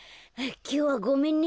きょうはごめんね。